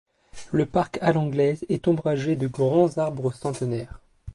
Le parc à l’anglaise est ombragé de grands arbres centenaires.